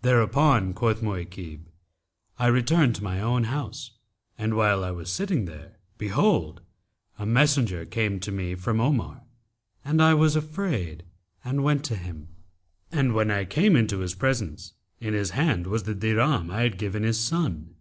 Thereupon, quoth Mu'aykib, 'I returned to my own house, and while I was sitting there behold, a messenger came to me from Omar and I was afraid and went to him, and when I came into his presence, in his hand was the dirham I had given his son.